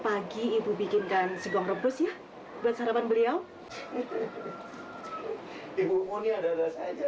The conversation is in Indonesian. pagi ibu bikinkan singkong rebus ya buat sarapan beliau itu ibu punya ada ada saja